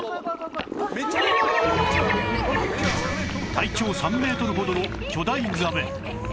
体長３メートルほどの巨大ザメ